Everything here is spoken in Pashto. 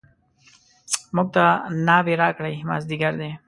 موږ ته ناوې راکړئ مازدیګر دی.